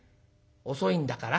遅いんだから。